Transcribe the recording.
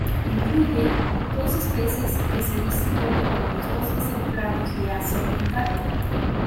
Incluye dos especies que se distribuyen por los bosques templados de Asia Oriental.